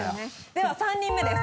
では３人目です。